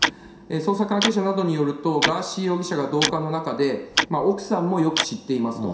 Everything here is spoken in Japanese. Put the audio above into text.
捜査関係者などによると、ガーシー容疑者が動画の中で、奥さんもよく知っていますと。